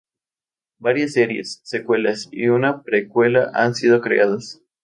Varias series, secuelas y una precuela han sido creadas.